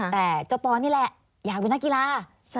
แต่เจ้าปอนนี่แหละอยากเป็นนักกีฬา